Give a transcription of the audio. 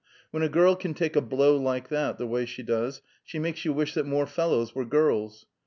When a girl can take a blow like that the way she does, she makes you wish that more fellows were girls.